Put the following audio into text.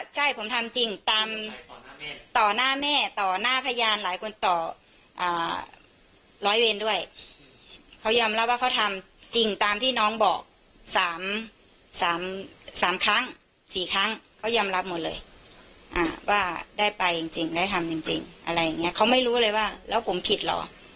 ใช่ผมทำจริงตามต่อหน้าแม่ต่อหน้าพยานหลายคนต่อร้อยเวรด้วยเขายอมรับว่าเขาทำจริงตามที่น้องบอก๓ครั้ง๔ครั้งเขายอมรับหมดเลยว่าได้ไปจริงได้ทำจริงอะไรอย่างนี้เขาไม่รู้เลยว่าแล้วผมผิดเหรอ